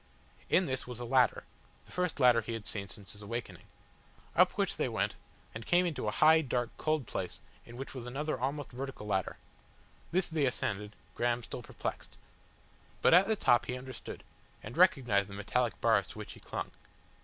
In this was a ladder the first ladder he had seen since his awakening up which they went, and came into a high, dark, cold place in which was another almost vertical ladder. This they ascended, Graham still perplexed. But at the top he understood, and recognised the metallic bars to which he clung.